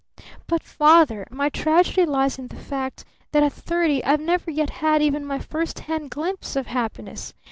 "But, Father! my tragedy lies in the fact that at thirty I've never yet had even my first hand glimpse of happiness!